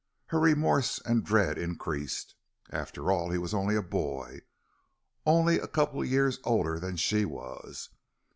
Her remorse and dread increased. After all, he was only a boy only a couple of years older than she was.